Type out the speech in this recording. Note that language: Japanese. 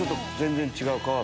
全然違う！